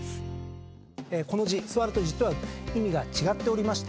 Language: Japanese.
この字座るという字とは意味が違っておりまして。